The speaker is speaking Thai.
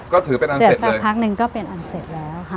ก็ถือเป็นอันเสร็จเลย